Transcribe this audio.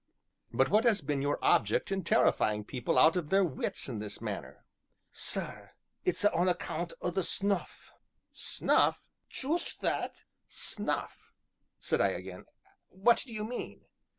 "But what has been your object in terrifying people out of their wits in this manner?" "Sir, it's a' on account o' the snuff." "Snuff!" I repeated. "Juist that!" he nodded. "Snuff," said I again; "what do you mean?"